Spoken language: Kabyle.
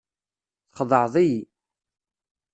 Txedɛeḍ-iyi.